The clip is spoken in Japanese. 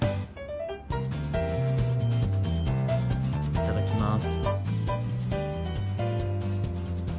いただきまーす。